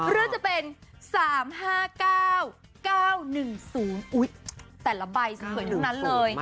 หรือจะเป็น๓๕๙๙๑๐แต่ละใบสวยทั้งนั้นเลย